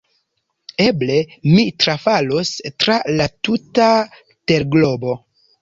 Eble mi trafalos tra la tuta terglobo!